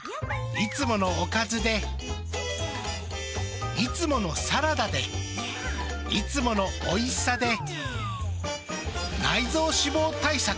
いつものおかずでいつものサラダでいつものおいしさで内臓脂肪対策。